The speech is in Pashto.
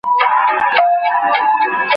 مسواک وهل د یو مؤمن د پوهې نښه ده.